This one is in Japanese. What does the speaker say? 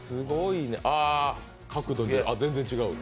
角度で全然違う。